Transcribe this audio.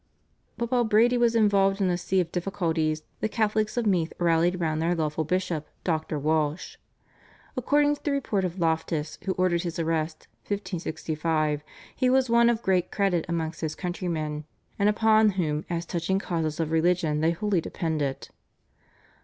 But while Brady was involved in a sea of difficulties, the Catholics of Meath rallied round their lawful bishop, Dr. Walsh. According to the report of Loftus, who ordered his arrest (1565), "he was one of great credit amongst his countrymen, and upon whom as touching causes of religion they wholly depended."